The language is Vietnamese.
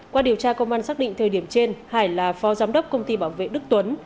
qua điều tra công an xác định thời điểm trên hải là phó giám đốc công ty bảo vệ đức tuấn